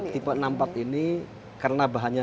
tipe enam puluh empat ini karena bahannya